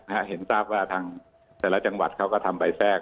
เห็นทราบว่าทางแต่ละจังหวัดเขาก็ทำใบแทรก